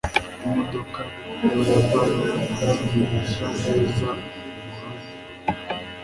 imodoka y'abayapani igurisha neza mumahanga